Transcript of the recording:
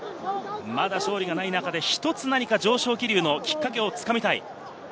まだ勝利がない中で上昇気流のきっかけをつかみたい。